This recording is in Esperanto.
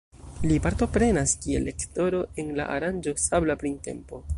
Li partoprenas kiel lektoro en la aranĝo Sabla Printempo.